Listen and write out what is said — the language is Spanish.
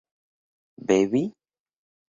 ¿bebí?